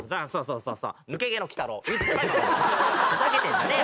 ふざけてんじゃねえ。